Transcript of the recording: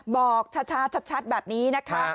บอกชัดแบบนี้นะคะ